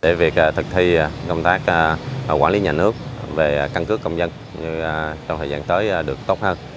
để việc thực thi công tác quản lý nhà nước về căn cước công dân trong thời gian tới được tốt hơn